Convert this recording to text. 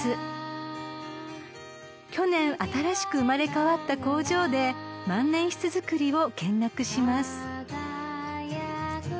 ［去年新しく生まれ変わった工場で万年筆作りを見学します］